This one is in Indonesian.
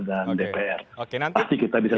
dan dpr pasti kita bisa